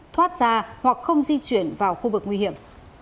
thoát ra hoặc không di chuyển vào khu vực nguy hiểm